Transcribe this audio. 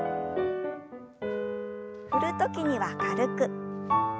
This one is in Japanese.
振る時には軽く。